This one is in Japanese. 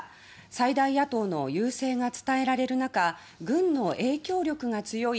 最大野党の優勢が伝えられる中軍の影響力が強い。